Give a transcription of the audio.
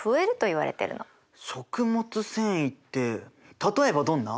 食物繊維って例えばどんな？